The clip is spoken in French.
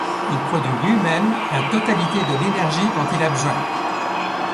Il produit lui-même la totalité de l'énergie dont il a besoin.